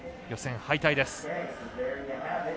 予選敗退です。